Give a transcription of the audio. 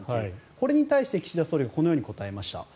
これに対して岸田総理はこのように答えました。